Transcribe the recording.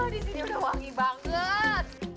di sini udah wangi banget